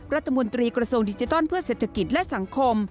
รัฐมนตรีกระทรวงดิจิทัลเพื่อเศรษฐกิจและสังคม